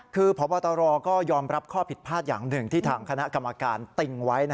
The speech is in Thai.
คือพบตรก็ยอมรับข้อผิดพลาดอย่างหนึ่งที่ทางคณะกรรมการติงไว้